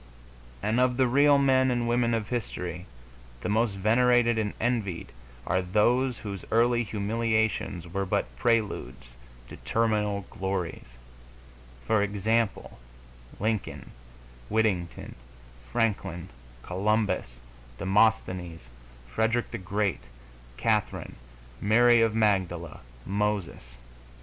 And of the real men and women of history, the most venerated and envied are those whose early humiliations were but preludes to terminal glories; for example, Lincoln, Whittington, Franklin, Columbus, Demosthenes, Frederick the Great, Catherine, Mary of Magdala, Moses.